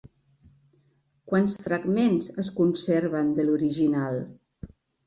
Quants fragments es conserven de l'original?